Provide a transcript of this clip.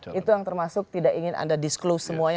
itu yang termasuk tidak ingin anda disclose semuanya